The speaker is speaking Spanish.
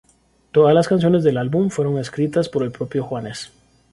Todas las canciones del álbum fueron escritas por el propio Juanes.